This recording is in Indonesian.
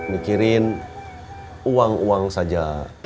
mikirin uang uang saja